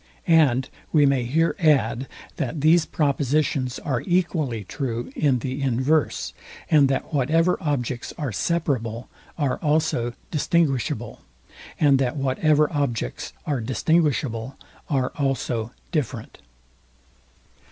And we may here add, that these propositions are equally true in the inverse, and that whatever objects are separable are also distinguishable, and that whatever objects are distinguishable, are also different.